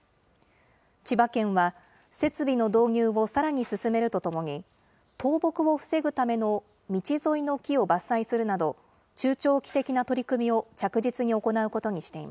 千葉県は、設備の導入をさらに進めるとともに、倒木を防ぐための道沿いの木を伐採するなど、中長期的な取り組み